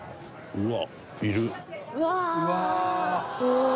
「うわ！」